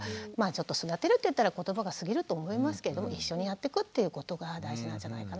育てるって言ったら言葉が過ぎると思いますけど一緒にやってくっていうことが大事なんじゃないかなと思います。